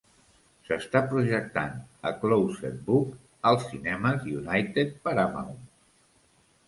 S'està projectant "A Closed Book" als cinemes United Paramount